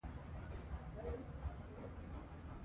ازادي راډیو د ترانسپورټ لپاره د چارواکو دریځ خپور کړی.